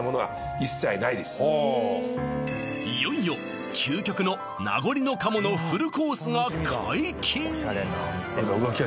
いよいよ究極の名残の鴨のフルコースが解禁！